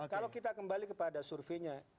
kalau kita kembali ke pada surveinya